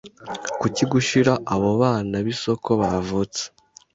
Kuki gushira abo bana bisoko bavutse